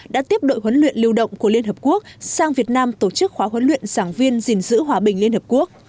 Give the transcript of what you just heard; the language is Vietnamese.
đã tiếp đội huấn luyện lưu động của liên hợp quốc sang việt nam tổ chức khóa huấn luyện giảng viên dình dữ hòa bình liên hợp quốc